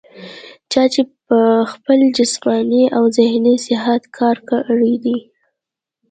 چا چې پۀ خپل جسماني او ذهني صحت کار کړے دے